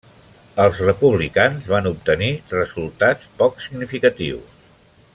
Els republicans van obtenir resultats poc significatius.